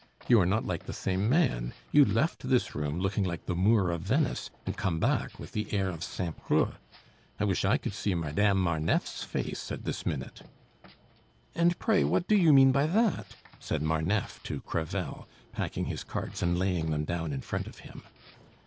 You are not like the same man. You left this room looking like the Moor of Venice, and you come back with the air of Saint Preux! I wish I could see Madame Marneffe's face at this minute " "And pray, what do you mean by that?" said Marneffe to Crevel, packing his cards and laying them down in front of him.